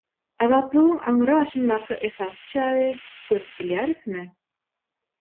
Azatlygyň aňyry başyndaky esasy çägi görüp bilýärismi?